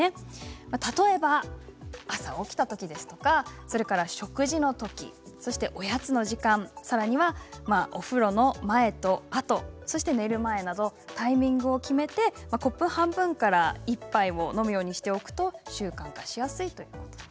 例えば、朝起きたとき食事のとき、おやつの時間お風呂の前と後寝る前などタイミングを決めてコップ半分から１杯を飲むようにしておくと習慣化しやすいということです。